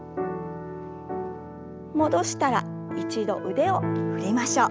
戻したら一度腕を振りましょう。